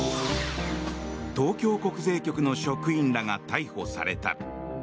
東京国税局の職員らが逮捕された。